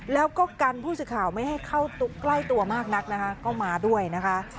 แล้วก็กันผู้สื่อข่าวไม่ให้เข้าใกล้ตัวมากนักนะคะก็มาด้วยนะคะ